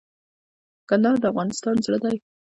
کندهار د افغانستان زړه دي